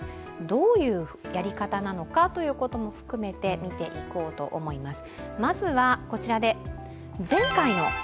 どういうやり方なのかということも含めて見ていこうと思います。